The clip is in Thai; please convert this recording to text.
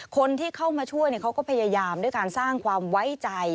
คนที่เข้ามาช่วยเขาก็พยายามด้วยการสร้างความไว้ใจ